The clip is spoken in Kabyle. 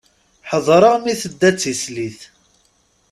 Ḥeḍreɣ mi tedda d tislit.